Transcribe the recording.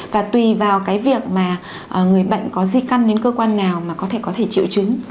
và tùy vào cái việc mà người bệnh có di căn đến cơ quan nào mà có thể có thể triệu chứng